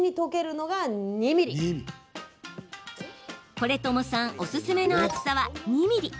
是友さんおすすめの厚さは２ｍｍ。